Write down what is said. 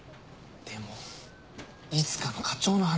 でもいつかの課長の話。